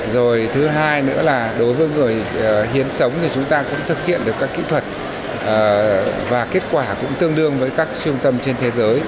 rồi thứ hai nữa là đối với người hiến sống thì chúng ta cũng thực hiện được các kỹ thuật và kết quả cũng tương đương với các trung tâm trên thế giới